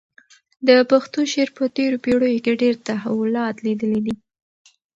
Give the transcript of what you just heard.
د پښتو شعر په تېرو پېړیو کې ډېر تحولات لیدلي دي.